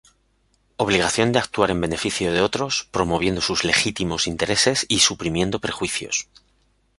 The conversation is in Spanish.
Obligación de actuar en beneficio de otros, promoviendo sus legítimos intereses y suprimiendo prejuicios.